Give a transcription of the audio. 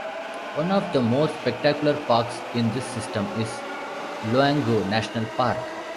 One of the more spectacular parks in this system is Loango National Park.